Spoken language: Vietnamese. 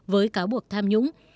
với cáo buộc tham nhũng